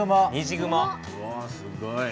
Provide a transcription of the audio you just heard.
うわすごい。